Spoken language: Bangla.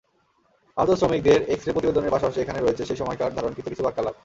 আহত শ্রমিকদের এক্স-রে প্রতিবেদনের পাশাপাশি এখানে রয়েছে সেই সময়কার ধারণকৃত কিছু বাক্যালাপ।